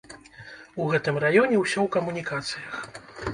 У гэтым раёне ўсё ў камунікацыях.